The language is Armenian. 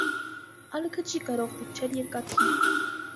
Ալքը չի կարող դիպչել երկաթին։